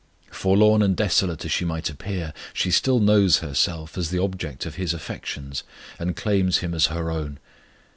Forlorn and desolate as she might appear she still knows herself as the object of His affections, and claims Him as her own.